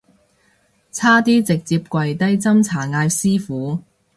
差啲直接跪低斟茶嗌師父